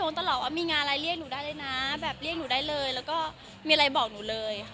หรือก็บอกพี่องตลอดมีงานอะไรเรียกหนุได้เลยนะมีอะไรบอกหนุเลย